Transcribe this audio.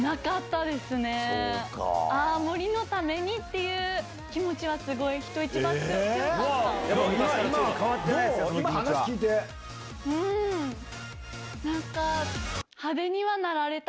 青森のためにっていう気持ちがすごい人一倍、強かった。